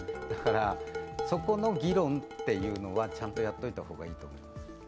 そこの議論というのはちゃんとやっておいた方がいいと思います。